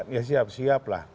ya siap siap lah